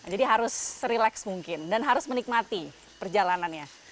harus serileks mungkin dan harus menikmati perjalanannya